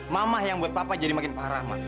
mama yang buat papa jadi makin parah mama